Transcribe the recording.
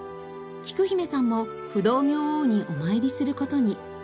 きく姫さんも不動明王にお参りする事に。